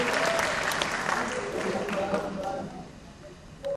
Wale ni wafupi sana.